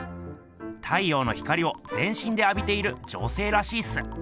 太陽の光をぜんしんであびている女性らしいっす。